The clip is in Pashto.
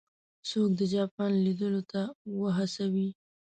څوک د جاپان لیدلو ته وهڅوي.